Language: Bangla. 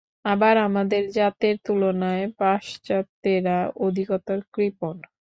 আবার আমাদের জাতের তুলনায় পাশ্চাত্যেরা অধিকতর কৃপণ।